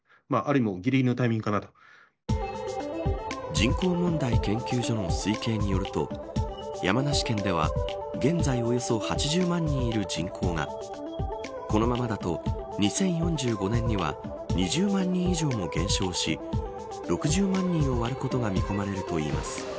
人口問題研究所の推計によると山梨県では現在およそ８０万人いる人口がこのままだと２０４５年には２０万人以上も減少し６０万人を割ることが見込まれるといいます。